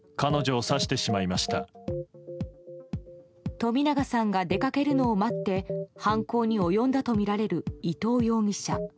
冨永さんが出かけるのを待って犯行に及んだとみられる伊藤容疑者。